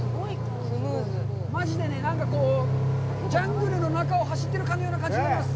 マジでね、なんかこうジャングルの中を走ってるかのような感じになります。